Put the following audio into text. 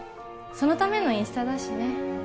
そのためのインスタだしね